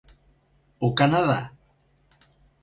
¿O Canadá?